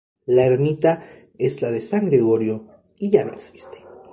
La ermita es la de San Gregorio, y ya no existe.